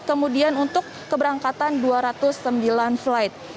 kemudian untuk keberangkatan dua ratus sembilan flight